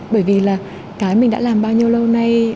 bởi vì là cái mình đã làm bao nhiêu lâu nay